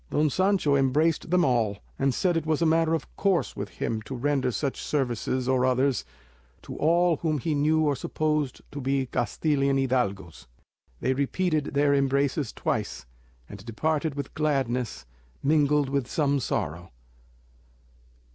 Don Sancho embraced them all, and said it was a matter of course with him to render such services or others to all whom he knew or supposed to be Castilian hidalgos. They repeated their embraces twice, and departed with gladness, mingled with some sorrow.